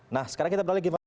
nah sekarang kita balik ke